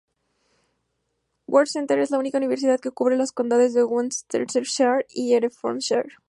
Worcester es la única universidad que cubre los condados de Worcestershire y Herefordshire.